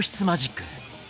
マジック。